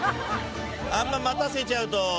あんま待たせちゃうと。